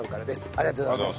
ありがとうございます。